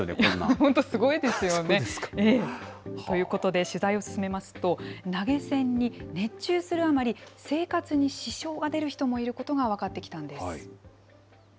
本当、すごいですよね。ということで取材を進めますと、投げ銭に熱中するあまり、生活に支障が出る人もいることが分かっ